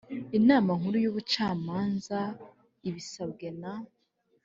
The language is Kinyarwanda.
Inama Nkuru y Ubucamanza ibisabwe na